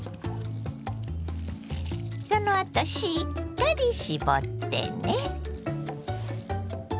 そのあとしっかり絞ってね。